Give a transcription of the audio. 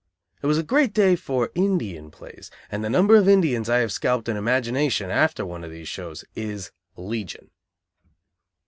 It was a great day for Indian plays, and the number of Indians I have scalped in imagination, after one of these shows, is legion.